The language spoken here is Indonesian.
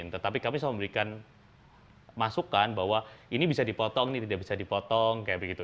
tetapi kami selalu memberikan masukan bahwa ini bisa dipotong ini tidak bisa dipotong kayak begitu